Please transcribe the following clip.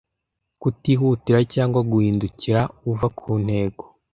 Kutihutira, cyangwa guhindukira uva ku ntego;